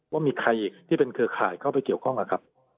ว่ามีใครที่เป็นเครือข่ายเข้าไปเกี่ยวข้องนะครับ